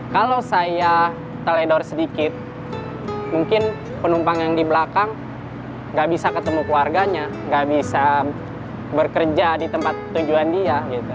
kalau saya teledor sedikit mungkin penumpang yang di belakang nggak bisa ketemu keluarganya nggak bisa bekerja di tempat tujuan dia